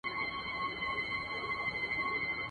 خدای درکړي دي غښتلي وزرونه.